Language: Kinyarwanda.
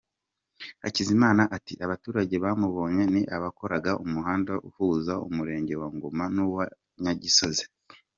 Hakizimana ati “Abaturage bamubonye ni abakoraga umuhanda uhuza Umurenge wa Ngoma n’uwa Nyagisozi.